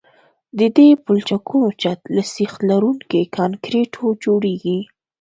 د دې پلچکونو چت له سیخ لرونکي کانکریټو جوړیږي